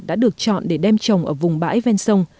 đã được chọn để đem trồng ở vùng bãi ven sông